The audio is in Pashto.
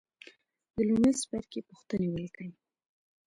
د لومړي څپرکي پوښتنې ولیکئ.